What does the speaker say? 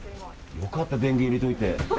良かった、電源入れておいて。